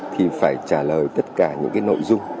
thì phải trả lời tất cả những cái nội dung